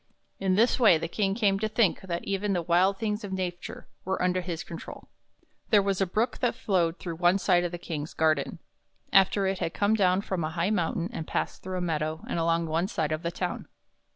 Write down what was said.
In this way the King came to think that even the wild things of nature were under his control. There was a Brook that flowed through one side of the King's garden, after it had come down from a high mountain and passed through a meadow and along one side of the town.